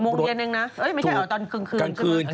อีกโมงเดียวนึงนะไม่ใช่ตอนคืน